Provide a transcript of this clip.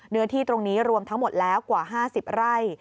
เนื้อที่ตรงนี้รวมทั้งหมดแล้วกว่า๕๐ไร่